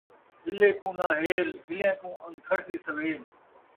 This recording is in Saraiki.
ہلّے کوں ناں ہیل ، ہلّیاں ان کھڑسی سویل